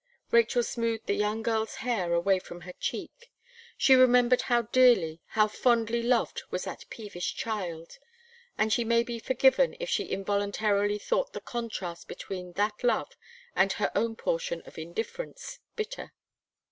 Rachel smoothed the young girl's hair away from her cheek. She remembered how dearly, how fondly loved was that peevish child; and she may be forgiven if she involuntarily thought the contrast between that love, and her own portion of indifference, bitter.